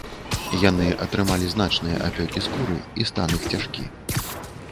Яны атрымалі значныя апёкі скуры і стан іх цяжкі.